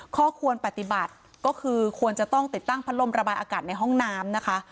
ข้อควรปฏิบัติก็คือควรจะต้องติดตั้งพัดลมระบายอากาศในห้องน้ำนะคะ